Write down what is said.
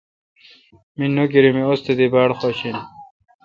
می نوکری می استادی باڑخوش این۔